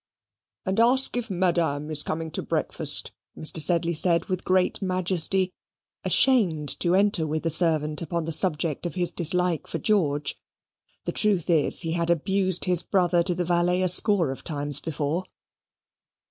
"And ask if Madame is coming to breakfast," Mr. Sedley said with great majesty, ashamed to enter with a servant upon the subject of his dislike for George. The truth is, he had abused his brother to the valet a score of times before.